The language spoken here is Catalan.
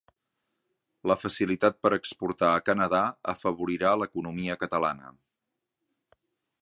La facilitat per exportar a Canada afavorirà l'economia catalana